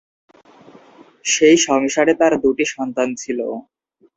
সেই সংসারে তার দুটি সন্তান ছিল।